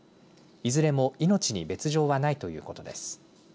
いずれも命に別状はないということです。